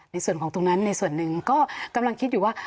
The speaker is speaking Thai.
ในส่วนของตรงนั้นในส่วนหนึ่งก็กำลังคิดอยู่ว่า